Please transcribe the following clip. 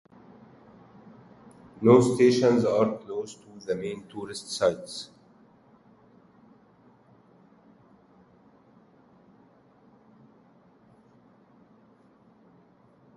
No stations are close to the main tourist sites.